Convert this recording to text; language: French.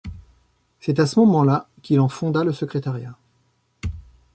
C'est à ce moment-là qu'il en fonda le secrétariat.